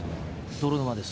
泥沼です。